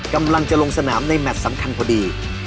กำลังจะลงสนามในแมทสำคัญพอดี